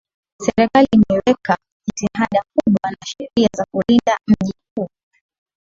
Serikali imeweka jitihada kubwa na sheria za kuulinda mjii huu